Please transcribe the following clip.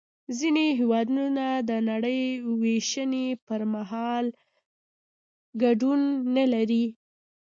ځینې هېوادونه د نړۍ وېشنې پر مهال ګډون نلري